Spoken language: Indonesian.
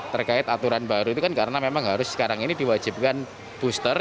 terkait aturan baru itu kan karena memang harus sekarang ini diwajibkan booster